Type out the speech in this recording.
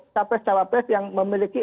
capres cawapres yang memiliki